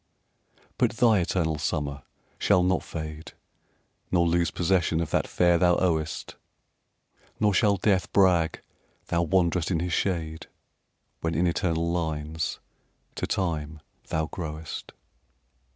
But thy eternal summer shall not fade, Nor lose possession of that fair thou owest; Nor shall death brag thou wanderest in his shade, When in eternal lines to time thou growest.